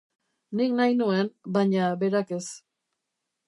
Nik nahi nuen, baina berak ez.